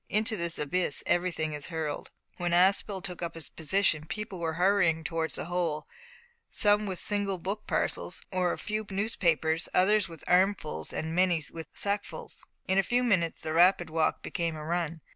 Into this abyss everything is hurled. When Aspel took up his position people were hurrying towards the hole, some with single book parcels, or a few newspapers, others with armfuls, and many with sackfuls. In a few minutes the rapid walk became a run.